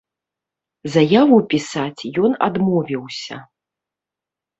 Заяву пісаць ён адмовіўся.